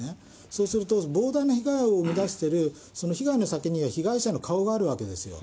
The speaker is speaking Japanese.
そうすると膨大な被害を生み出している、その被害の先には被害者の顔があるわけですよ。